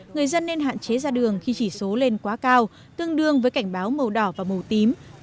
người dân nên hạn chế ra đường khi chỉ số lên quá cao tương đương với cảnh báo màu đỏ và màu tím